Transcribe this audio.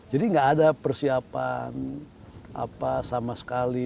jadi nggak ada persiapan apa sama sekali